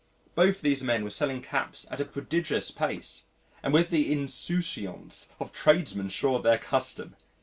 Both these men were selling caps at a prodigious pace, and with the insouciance of tradesmen sure of their custom.